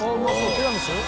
ティラミス？